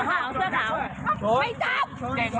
พี่ท้อนเสื้อข่าวเสื้อข่าว